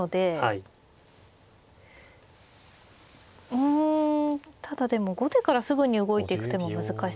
うんただでも後手からすぐに動いていく手も難しそう。